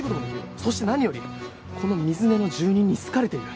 そして何よりこの水根の住人に好かれている。